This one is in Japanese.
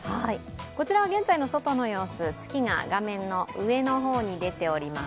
こちらは現在の外の様子月が画面上の方に出ています。